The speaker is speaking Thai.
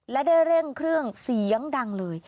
และได้เร่งเครื่องเสียงดังเลย